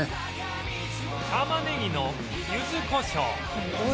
たまねぎのゆずこしょう